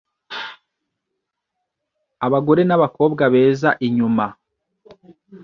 Abagore n’abakobwa beza inyuma